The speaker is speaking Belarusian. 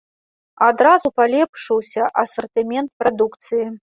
Адразу палепшыўся асартымент прадукцыі.